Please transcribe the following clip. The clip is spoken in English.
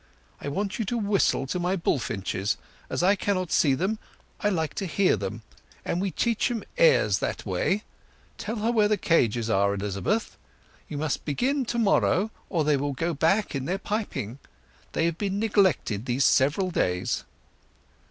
I want you to whistle to my bullfinches; as I cannot see them, I like to hear them, and we teach 'em airs that way. Tell her where the cages are, Elizabeth. You must begin to morrow, or they will go back in their piping. They have been neglected these several days."